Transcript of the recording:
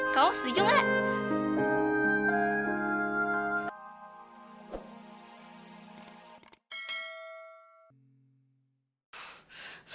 kamu setuju gak